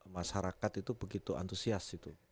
masyarakat itu begitu antusias itu